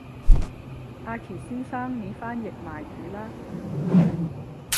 阿祁先生你翻譯埋佢啦